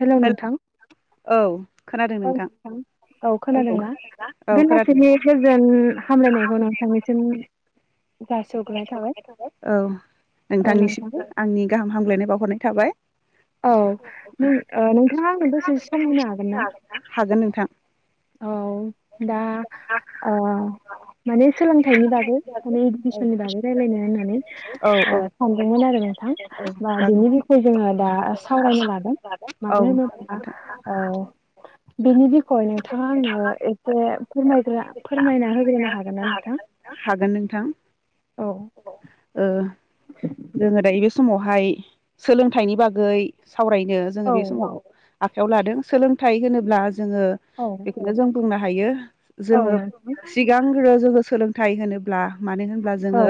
Hello हेल नोंथां औ। औ नोंथां औ खोनादोंना औ खोनादों बेलासिनि गोजोन हामलायनायखौ नोंथां। निसिम। औ औ नोंथां नोंथांनिसिमबो आंनि गाहाम हामग्लायनाय बावहरनाय थाबाय। औ नों ओ नोंथाङा आंनो दसे सम होनो हागोन ना? हागोन नोंथां औ दा आओ। माने सोलोंथाइनि बागै माने डिस औ नि बागै रायलायनो होननानै औ ओ सानदोंमोन आरो नोंथां औ बा जागोन बिनि बिखय जोङो दा सावरायनो लादों मानो औ होनोब्ला नोंथां औ बेनि बिखय नोंथाङा आंनो एसे फोरमायग्रो फोरमायना होग्रोनो हागोन ना नोंथां? हागोन नोंथां औ ओ जोङो दायो बे समावहाय सोलोंथाइनि बागै सावरायनो जोङो औ बे समाव आखायाव लादों सोलोंथाइ होनोब्ला जोङो औ बेखौनो जों बुंनो हायो औ जोङो नोंथां सिगांग्रो जोङो सोलोंथाइ होनोब्ला मानो होनब्ला औ जोङो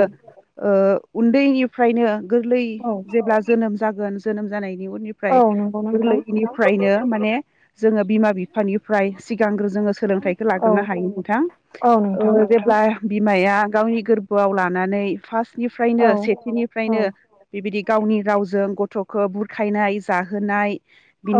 उनदैनिफ्रायनो गोरलै औ जेब्ला जोनोम जागोन जोनोम जानाय औ फ्राय नंगौ नोंथां गोरलैनिफ्रायनो माने जोङो बिमा बिफानिफ्राय सिगांग्रो जोङो सोलोंथाइखौ औ लाग्रोनो हायो नोंथां औ नोंथां जेब्ला बिमाया गावनि गोरबो आव लानानै औ फार्स्टनिफ्रायनो औ सेथिनिफ्रायनो बेबायदि गावनि रावजों गथ' गथ'खौ बुरखायनाय जाहोनाय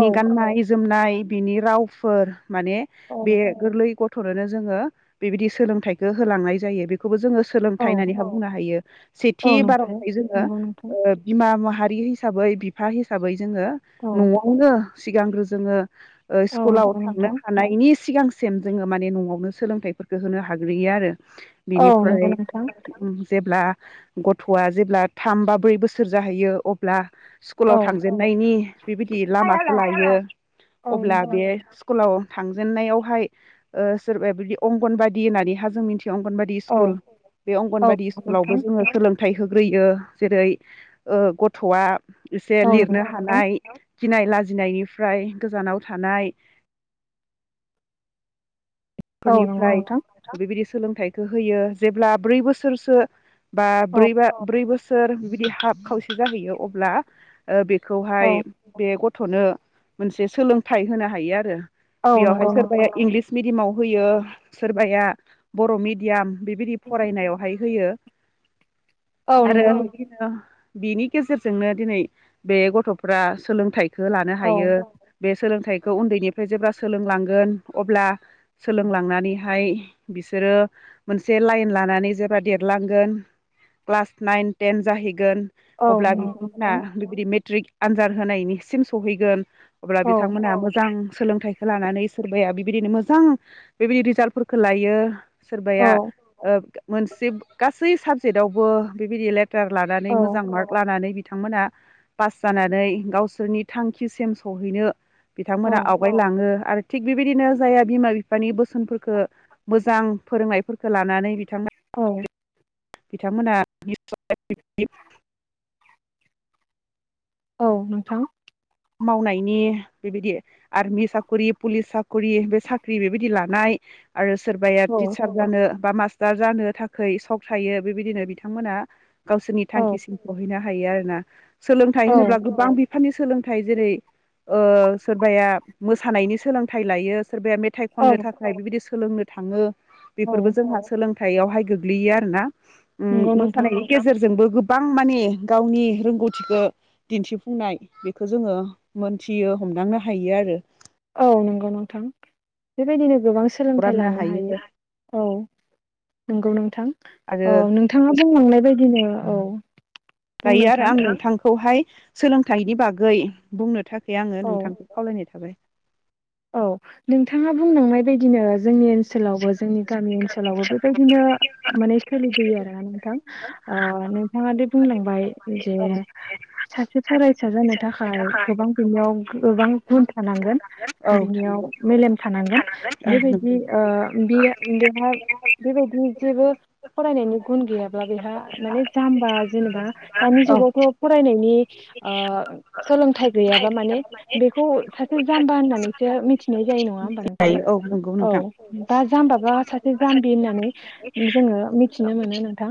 औ गाननाय जोमनाय बिनि रावफोर माने औ बे गोरलै गथ नो जोङो बेबायदि सोलोंथाइखौ होलांनाय जायो बेखौबो जोङो सोलों औ नानै बुंनो हायो सेथि औ बाराव नोंथां जोङो नंगौ नोंथां बिमा हारि हिसाबै बिफा हिसाबै जोङो औ न'आवनो सिगांग्रो जोङो औ स्कुलाव नंगौ थांनो नोंथां हानायनि सिगां सेम जोङो माने न'आवनो सोलोंथाइफोरखौ होनो हाग्रोयो आरो औ बिनिफ्राय नंगौ नोंथां जेब्ला गथ'आ जेब्ला थाम बा ब्रै बोसोर जाहैयो अब्ला स्कुलाव औ थांजेननायनि बेबायदि औ लामाखौ लायो अब्ला नोंथां बे स्कुलाव थांजेननायावहाय सोरबा बिदि अंगनबादि होननानैहा जों मिथि अंगनबादि औ स्कुल बे औ अंगनबादि नंगौ स्कुलावबो नोंथां जोङो सोलों थाइ होग्रोयो जेरै गथ'आ एसे औ नंगौ लिरनो नोंथां हानाय गिनाय लाजिनायनिफ्राय गोजानाव थानाय औ नंगौ फोरनिफ्राय नोंथां बेबायदि सोलोंथाइखौ होयो जेब्ला ब्रै बोसोरसो बा औ ब्रै बा ब्रै बोसोर बिदि हाब खावसे जाहैयो अब्ला औ बेखौहाय बे गथ'नो मोनसे सोलोंथाइ होनो हायो आरो औ बेयावहाय नंगौ नोंथां सोरबाया इंलिस मिडियामाव होयो सोरबाया बर' मिडियाम बेबायदि फरायनायावहाय होयो औ आरो नंगौ नोंथां बिदिनो बिनि गेजेरजोंनो दिनै बे गथ'फ्रा सोलोंथाइ लानो औ हायो बे सोलोंथाइखौ उनदैनिफ्राय जेब्ला सोलोंलांगोन अब्ला सोलोंलांनानैहाय बिसोरो मोनसे लाइन लानानै जेब्ला देरलांगोन क्लास नाइन टेन जाहैगोन औ अब्ला नंगौ बिथांमोना नोंथां बेबायदि मेट्रिक आनजाद होनायनिसिम सहैगोन अब्ला औ बिथांमोनहा मोजां सोलोंथाइखौ लानानै सोरबाया बिबायदिनो मोजां बेबायदि रिजाल्टफोरखौ लायो औ सोरबाया मोनसे गासै साब जेटआवबो बेबायदि लेटार लानानै औ मोजां मार्क लानानै बिथांमोना पास जानानै गावसोरनि थांखिसिम सहैनो औ बिथांमोना आवगायलाङो आरो थिग बेबायदिनो जायहा बिमा बिफा नि बोसोनफोरखौ मोजां फोरोंनायफोरखौ लानानै बिथांमोन औ बिथांमोना औ नोंथां मावनायनि बेबायदि आरमि साखरि पुलिस साखरि बे साख्रि बेबायदि लानाय आरो सोरबाया औ टिचार जानो बा मास्टार जानो थाखाय सक थायो बेबायदिनो बिथांमोना गावसोरनि औ थांखिसिम सहैनो हायो आरो ना सोलोंथाइ होनोब्ला औ गोबां बिफाननि सोलों थाइ जेरै ओ सोरबाया मोसानायनि सोलोंथाइ लायो सोरबाया मेथाइ खननो थाखाय बिबायदि सोलोंनो थाङो औ औ बेफोरबो जोंहा सोलों थाइयावहाय गोग्लैयो आरोना ओम नंगौ नोंथां मोसानायनि गेजेरजों जोंबो गोबां माने गावनि रोंगौथिखौ दिनथिफुंनाय खौ जोङो मोनथियो हमदांनो हायो आरो औ नंगौ नोंथां बेबायदिनो गोबां सोलोंथाइ लानो हायो औ नंगौ नोंथां आरो औ नोंथाङा बुंलांनाय बायदिनो औ बुं गायो आरो नोंथां आं नोंथांखौहाय सोलोंथाइनि बागै बुंनो थाखाय आङो औ नोंथांखौ खावलायनाय थाबाय औ नोंथाङा बुंलांनाय बायदिनो जोंनि ओनसोलावबो जोंनि गामि ओनसोलावबो बेबायदिनो माने सोलों होयो आरोना नोंथां नोंथाङा ओ बे बुंलांबाय जे औ सासे फरायसा जानो थाखाय गोबां बिनियाव गोबां गुन थानांगोन औ थांगौ बिनियाव मेलेम थानांगोन औ बेबायदि नंगौ ओ बि बेहा बेबायदि जेबो फरायनायनि गुन गैयाब्ला बेहा माने जाम्बा जेनेबा दानि औ जुगावथ' फरायनायनि ओ सोलोंथाइ गैयाबा माने बेखौ सासे जाम्बा होननानैसो मिथिनाय जायो नङा ओमबा नोंथां दायो औ नंगौ औ नोंथां बा जाम्बाबा सासे जाम्बि होननानै जोङो मिथिनो मोनो नोंथां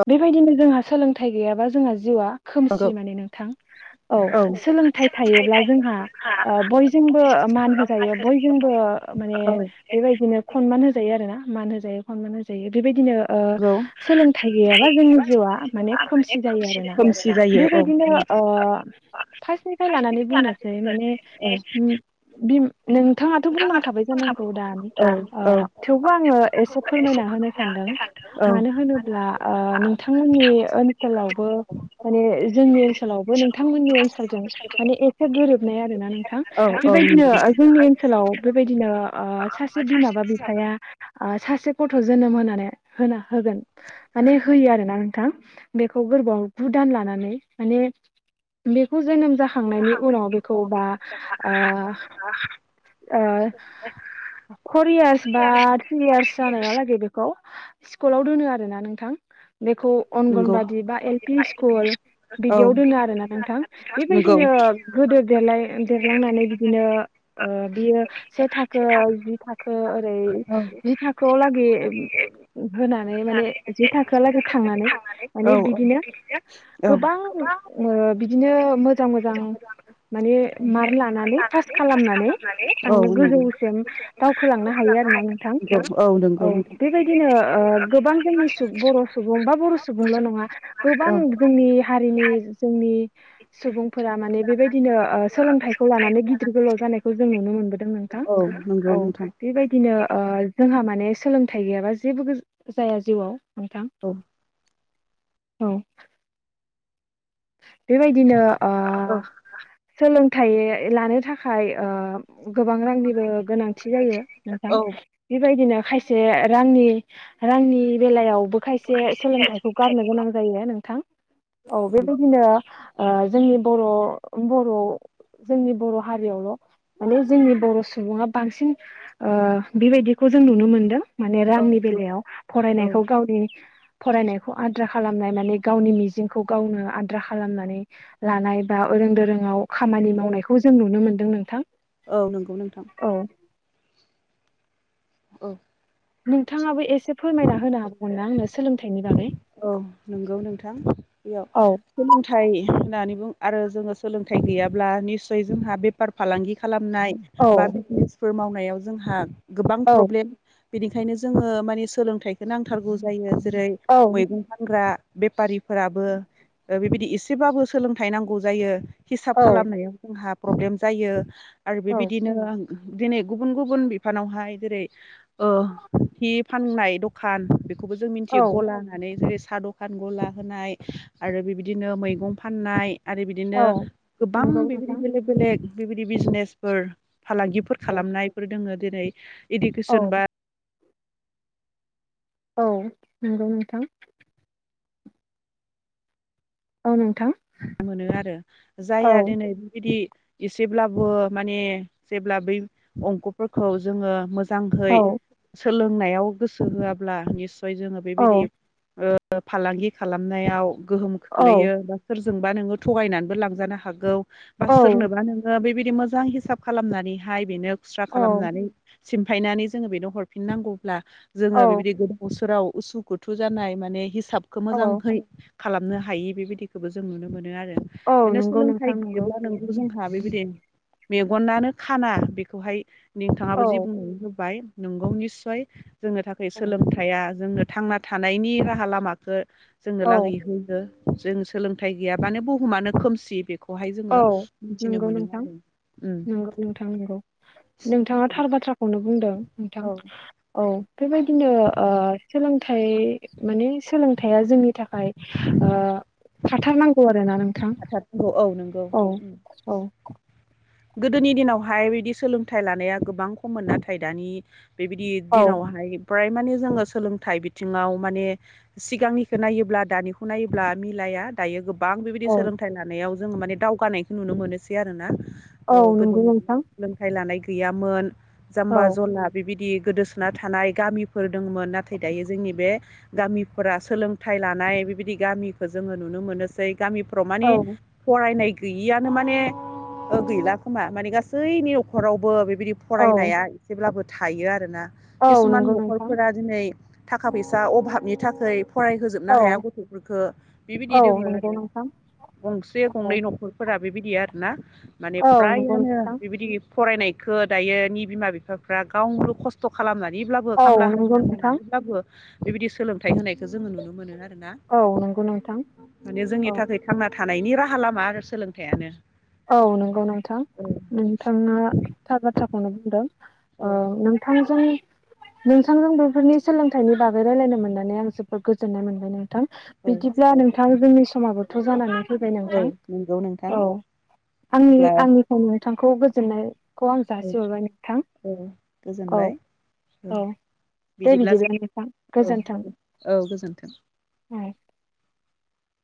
औ बेबायदिनो जोंहा सोलोंथाइ गैयाबा जोंहा जिउआ नंगौ खोमसि माने नोंथां औ सोलोंथाइ थायोब्ला जोंहा ओ बयजोंबो मान होजायो बयजोंबो नंगौ माने बेबायदिनो सनमान होजायो आरो ना मान होजायो सनमान होजायो बेबाय दिनो ओ सोलोंथाइ गैयाबा जोंनि जिउआ माने‌ खोमसि जायो आरोना खोमसि जायो औ बेबायदिनो नंगौ ओ फार्स्टनिफ्राय लानानै बुंनोसै माने औ नोंथाङाथ' बुंनांखाबाय जानांगौ दानि ओ औ थेवबो आङो एसे फोरमाय ना होनो सानदों औ मानो ओ होनोब्ला नोंथांमोननि ओनसोलावबो माने जोंनि ओनसोलावबो नोंथांमोननि ओनसोलजों माने एसे गोरोबनाय आरोना नोंथां औ नंगौ बेबायदिनो जोंनि ओनसोलाव बेबायदिनो ओ सासे बिमा बा बिफाया सासे गथ' जोनोम होनानै होन होगोन माने होयो आरोना नोंथां बेखौ गोरबो आव गु दान लानानै माने बेखौ जोनो जाखांनायनि उनाव बेखौ बा ओ ओ फर इयार्स बा थ्रि यार्स जानाया लागै बेखौ स्कुलाव दोनो आरोना नोंथां बेखौ नंगौ अंगनबादि बा एल पि स्कुल औ बिदियाव दोनो आरोना नोंथां नंगौ बेबायदिनो गोदो देलाइ दे लांनानै बिदिनो बियो से थाखो जि थाखो ओरै हाखौ लागि होना माने जि थाखोआ लागै थांनानै औ माने बिदिनो गोबां बिदिनो ओ मोजां मोजां माने मार्क लानानै पास खालामनानै औ थांनो नंगौ गोजौसिम दावखोलांनो हायो आरोना नोंथां नंगौ औ नंगौ नोंथां बेबायदिनो ओ गोबां जोंनि बर' सुबुं बा बर' सुबुंल' नङा गोबां जोंनि हारिनि जोंनि सुबुंफोरा माने बेबायदिनो ओ सोलोंथाइखौ लानानै गिदिर गोलाव जानायखौ जों नुनो मोनबोदों नोंथां औ नोंथां बेबायदिनो ओ जोंहा माने सोलोंथाइ गैयाबा जेबो जाया जिउआव नोंथां औ औ बेबायदिनो ओ सोलोंथाइ लानो थाखाय ओ गोबां रांनिबो गोनांथि जायो नोंथां औ बेबायदिनो खायसे रांनि रांनि बेलायाव बो खायसे सोलोंथाइखौ गारनो गोनां जायो नोंथां औ बे जोंनि बर' बर' जोंनि बर' हारियावल' माने जोंनि बर' सुबुङा बांसिन ओ बेबायदिखौ जों नुनो मोनदों माने औ रांनि नंगौ बेलायाव औ फरायनायखौ गावनि फरायनायखौ आद्रा खालामनाय माने गावनि मिजिंखौ गावनो आद्रा खालामनानै लानाय बा ओरों दोरोङआव खामानि औ मावनायखौ जों नुनो मोनदों नोंथां। औ नंगौ नोंथां औ औ नोंथाङाबो एसे फोरमायना होनो हागौमोना आंनो सोलोंथाइनि बागै औ नंगौ नोंथां बेयाव औ सोलोंथाइ होननानै आरो जोङो सोलोंथाइ गैयाब्ला निस्सय जोंहा बेफार फालांगि खालामनाय बा औ बिजनेस फोर मावनायाव जोंहा गोबां औ प्रब्लेम बेनिखायनो जोङो मानि सोलोंथाइखौ नांथारगौ जायो। जेरै औ मैगं फानग्रा बेफारिफोराबो बेबायदि एसेबाबो सोलोंथाइ नांगौ जायो। हिसाब औ खालामनायाव जोंहा प्रब्लेम जायो आरो औ बेबायदिनो दिनै गुबुन गुबुन बिफानावहाय जेरै हि फाननाय दखान खौबो जों मिथियो औ गला होननानै जेरै सा दखान गला होनाय आरो बिबायदिनो मैगं फाननाय आरो बिदिनो औ गोबां नंगौ बेबायदि नोंथां बेलेक बेलेक बेबायदि बिजनेसफोर फालांगिफोर खालामनायफोर दोङो जेरै औ इरुकेसन बा औ नंगौ नोंथां औ नोंथां मोनो आरो औ जायहा दिनै बेबायदि इसेब्लाबो माने जेब्ला बै अंख'फोरखौ जोङो मोजां औ जांहै सोलोंनायाव गोसो होआब्ला निससय जोङो बेबायदि औ फालांगि खालामनायाव गोहोम औ खोख्लैयो बा सोर जोंबा नोङो थगायलांजानोबो औ हागौ। बिदि मोजां हिसाब खालामनानैहाय बेनो खुस्रा औ खालामनानै सिमफायनानै जोङो बेनो हरफिननांगौब्ला जोङो औ बिबायदि गोदौ फोराव उसु गुथु जानाय माने हिसाबखौ औ मोजांहै खालामनो हायि बेबायदिखौबो नुनो मोनो आरो औ माने नंगौ सोलोंथाइ नोंथां नंगौ गैयाब्ला नोंगौ जों आंहा बेबायदि मेगनानो खाना बेखौहाय नोंथाङाबो औ जि बुंनानै होबाय नंगौ निस्सय जोंनो थाखाय सोलोंथाइया जोंनो थांना थानायनि राहा लामाखौ जोंनो लागै औ होयो जों सोलोंथाइ गैयबानो बुहुमानो खोमसि खौहाय औ जोङो मिथिनो नंगौ मोनो नोंथां आरो। नंगौ नोंथां नंगौ नोंथाङा थार बाथ्राखौनो बुंदों नोंथां औ औ बेबायदिनो सोलोंथाइ माने सोलोंथाइया जोंनि थाखाय थाथारनांगौ आरोना नों थाथारनांगौ औ नंगौ औ उम औ गोदोनि दिनावहाय बिदि सोलोंथाइ लानाया गोबां खममोन नाथाय दानि बेबायदि औ दिनावहाय फ्राय माने जोङो सोलोंथाइ बिथिङाव माने सिगांनिखौ नायोब्ला दानिखौ नायोब्ला मिलाय दायो गोबां बेबायदि औ सोलोंथाइ लानायाव जों माने दावगानायखौ नुनो मोनोसै आरोना। औ नंगौ गोदोनि नोंथां दिनाव सोलोंथाइ लानाय गैयामोन औ जाम्बा जला बिबायदि गोदोसोना थानाय गामिफोर दंमोन नाथाय दायो जोंनि बे गामिफोरा सोलोंथाइ लानाय बेबायदि गामिखौ जोङो नुनो मोनोसै गामिफ्राव माने औ फरायनाय गैयिआनो माने गैला खोमा माने गासैनि न'खरावबो बेबायदि औ फरायनाया एसेब्लाबो थायो आरोना। औ किसुमान नंगौ नोंथां न'खरफोरा दिनै थाखा फैसा अभाबनि थाखाय फरायहोजोबनो औ हाया गथ'फोरखौ बिबायदि औ दोङो नंगौ आरो नोंथां गंसे औ गंनै न'खरफोरा बेबायदि आर ना औ नंगौ मानेफ्रायानो नोंथां बेबायदि फरायनायखौ दायो नि बिमा बिफाफ्रा गावनो खस्थ' खालामनानै ब्लाबो औ खामला नंगौ हाजिरा नोंथां मावनानैब्लाबो बेबायदि सोलोंथाय होनायखौ जोङो नुनो मोनो आरोना औ नंगौ नोंथां माने जोंनि औ थाखाय थांना थानाय थानायनि राहा लामा आरो सोलोंथाइयानो औ नंगौ नोंथां औ नोंथाङा थार बाथ्राखौनो बुंदों औ ओ नोंथांजों नोंथांजों बेफोरनि सोलोंथाइनि बागै रायलायनो मोननानै आं जोबोद गोजोननाय मोनबाय नोंथां औ बिदिब्ला साबायखर नोंथां जोंनि समाबोथ' जानानै फैबाय औ नोंथां नंगौ नोंथां औ आंनि अब्ला आंनिफ्रायनो नोंथांखौ गोजोननाय खौ आं औ जासि हरबाय नोंथां औ औ गोजोनबाय औ दे बिदिब्ला नोंथां औ गोजोन्थों। गोजोन्थों।